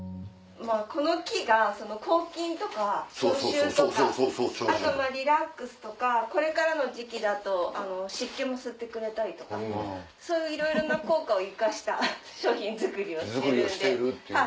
まぁこの木が抗菌とか消臭とかあとまぁリラックスとかこれからの時期だと湿気も吸ってくれたりとかそういういろいろな効果を生かした商品作りをしてるんで。